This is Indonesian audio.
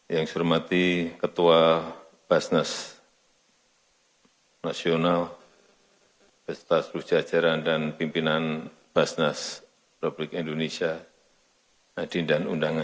yang disermati ketua basnas nasional bersetas rujajaran dan pimpinan basnas republik indonesia